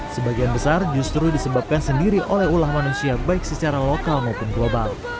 sebagian besar justru disebabkan sendiri oleh ulah manusia baik secara lokal maupun global